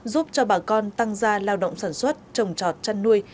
giúp cho bà con tăng ra lao động sản xuất trồng trọt chăn nuôi